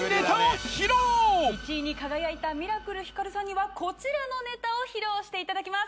１位に輝いたミラクルひかるさんにはこちらのネタを披露していただきます。